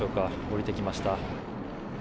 降りてきました。